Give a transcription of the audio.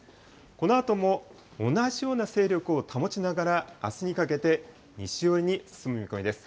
このあとも同じような勢力を保ちながら、あすにかけて西寄りに進む見込みです。